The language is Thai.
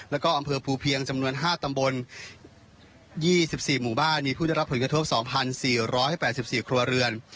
แล้วก็อำเภอปูเพียงจำนวนห้าตำบลยี่สิบสี่หมู่บ้านมีผู้ได้รับผลกระทบสองพันสี่ร้อยแปดสิบสี่ครัวเรือน